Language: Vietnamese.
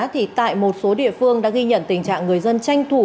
thì tại một số địa phương đã ghi nhận tình trạng người dân tranh thủ